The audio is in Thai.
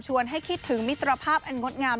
ให้คิดถึงมิตรภาพอันงดงาม